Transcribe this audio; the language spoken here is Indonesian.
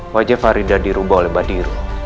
wajah faridah dirubah oleh badiru